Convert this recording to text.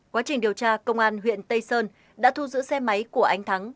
quá trình điều tra công an huyện tây sơn đã thu giữ xe máy của anh thắng